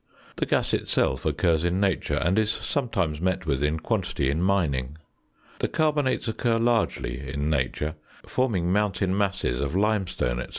The gas itself occurs in nature, and is sometimes met with in quantity in mining. The carbonates occur largely in nature, forming mountain masses of limestone, &c.